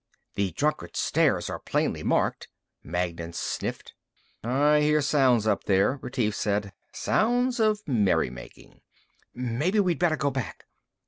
"The Drunkard's Stairs are plainly marked," Magnan sniffed. "I hear sounds up there," Retief said. "Sounds of merrymaking." "Maybe we'd better go back."